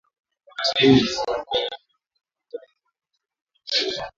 Nchini Kenya uhaba wa mafuta unalaumiwa kwa serikali kushindwa